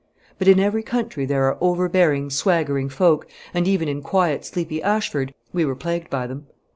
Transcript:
But in every country there are overbearing, swaggering folk, and even in quiet, sleepy Ashford we were plagued by them.